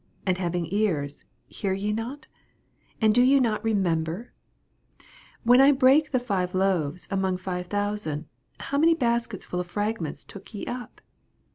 and having ears, hear ye not ? and do ye not remember ? 19 When I brake the five loaves among five thousand, how many bas kets full of fragments took ye up?